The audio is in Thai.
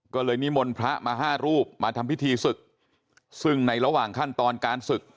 ก็เลยนิมนต์พระมา๕รูปมาทำพิธีศึกซึ่งในระหว่างขั้นตอนการศึก